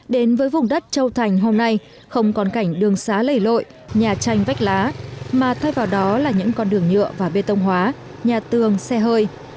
đến với vùng đất châu thành hôm nay không còn cảnh đường xá lầy lội nhà tranh vách lá mà thay vào đó là những con đường nhựa và bê tông hóa nhà tường xe hơi